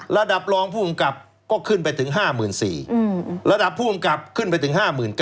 ระดับรองผู้กำกับก็ขึ้นไปถึง๕๔๐๐ระดับผู้กำกับขึ้นไปถึง๕๙๐